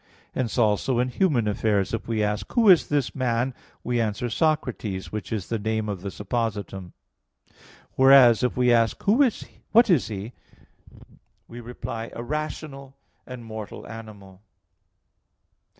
Hence also in human affairs, if we ask, Who is this man? we answer, Socrates, which is the name of the suppositum; whereas, if we ask, What is he? we reply, A rational and mortal animal.